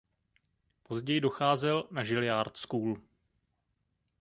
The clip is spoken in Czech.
Později docházel na Juilliard School.